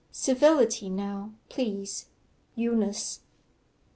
Civility now, please. EUNICE.